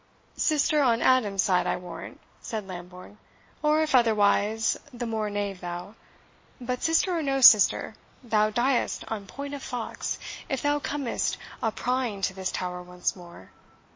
"Sister on Adam's side, I warrant," said Lambourne; "or, if otherwise, the more knave thou. But sister or no sister, thou diest on point of fox, if thou comest a prying to this tower once more.